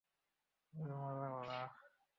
ওরে মোর আল্লাহ!